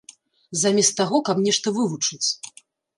Замест таго, каб нешта вывучыць.